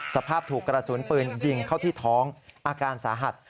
สภาพถูกกระสุนปืนยิงเข้าที่ท้องอาการสาหัส